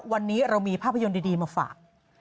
วันนี้เรามีภาพยนตร์ดีมาฝาก